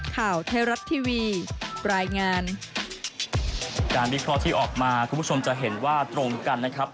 การวิเคราะห์ที่ออกมาคุณผู้ชมจะเห็นว่าตรงกันนะครับ